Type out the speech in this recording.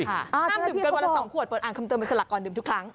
ต้องดื่มเกินกว่าละ๒ขวดเปิดอ่านคำเตือนมันจะหลักก่อนดื่มทุกครั้ง